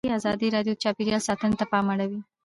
ازادي راډیو د چاپیریال ساتنه ته پام اړولی.